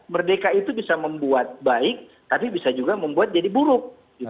merdeka itu bisa membuat baik tapi bisa juga membuat jadi buruk